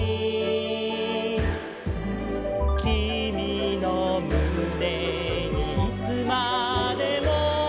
「きみのむねにいつまでも」